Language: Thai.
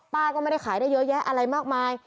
ป้าก็ไม่ได้ขายได้เยอะแยะอะไรมากมาย